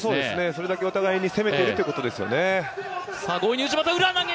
それだけお互いに攻めてるってことですよね。